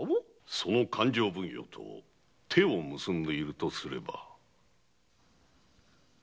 その勘定奉行と手を結んでいるとすれば。